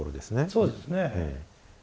そうですね。